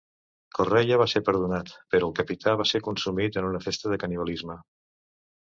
Correia va ser perdonat, però el capità va ser consumit en una festa de canibalisme.